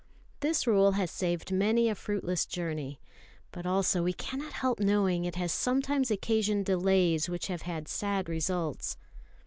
This rule has saved many a fruitless journey; but also we cannot help knowing it has sometimes occasioned delays which have had sad results.